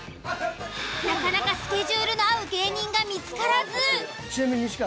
なかなかスケジュールの合う芸人が見つからず。